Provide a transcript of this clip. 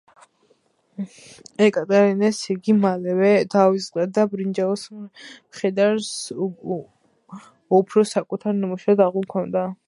ეკატერინეს იგი მალევე დაავიწყდა და ბრინჯაოს მხედარს უფრო საკუთარ ნამუშევრად აღიქვამდა.